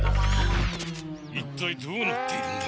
一体どうなっているんだ？